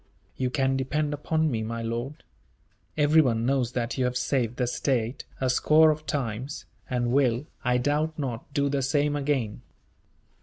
"You can depend upon me, my lord. Everyone knows that you have saved the state, a score of times; and will, I doubt not, do the same again."